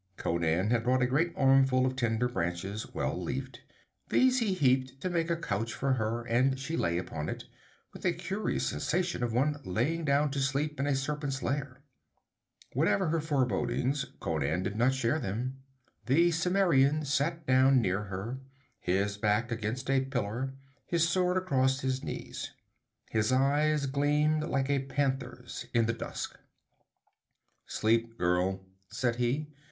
Conan had brought a great armful of tender branches, well leafed. These he heaped to make a couch for her, and she lay upon it, with a curious sensation as of one lying down to sleep in a serpent's lair. Whatever her forebodings, Conan did not share them. The Cimmerian sat down near her, his back against a pillar, his sword across his knees. His eyes gleamed like a panther's in the dusk. 'Sleep, girl,' said he.